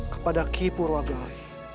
kepada ki purwagali